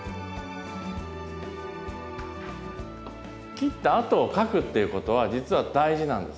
切ったあとを描くっていうことは実は大事なんですね。